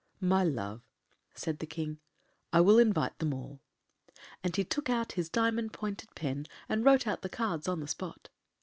” “My love,” said the King, “I will invite them all,” and he took out his diamond pointed pen and wrote out the cards on the spot.